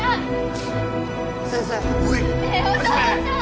ねぇお父さん！